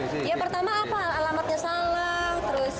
yang pertama apa alamatnya salah